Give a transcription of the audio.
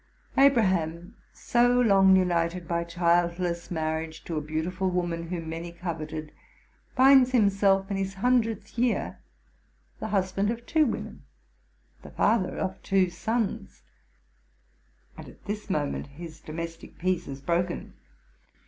'Abr aham, so long united by childless marriage to a beautiful woman whom many coveted, finds himself, in his hundredth year, the husband of two women, the father of two sons; and at this moment his domestic peace is broken.